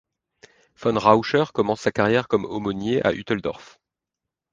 Von Rauscher commence sa carrière comme aumônier à Hütteldorf.